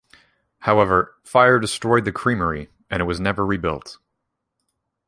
However, fire destroyed the creamery and it was never rebuilt.